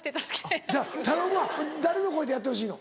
じゃあ頼むわ誰の声でやってほしいの？